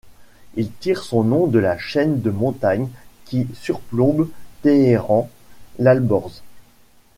Il tire son nom de la chaîne de montagnes qui surplombe Téhéran, l'Alborz.